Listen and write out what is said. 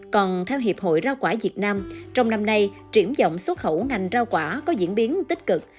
còn theo hiệp hội rau quả việt nam trong năm nay triển dọng xuất khẩu ngành rau quả có diễn biến tích cực